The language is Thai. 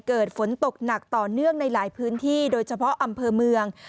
เกิดฝนตกหนักต่อเนื่องในหลายพื้นที่โดยเฉพาะอำเภอเมือง